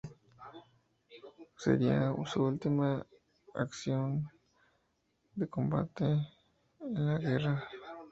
Sería su última acción de combate en la guerra.